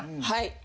はい。